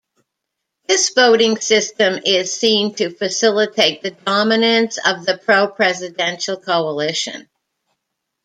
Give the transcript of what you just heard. This voting system is seen to facilitate the dominance of the pro-presidential coalition.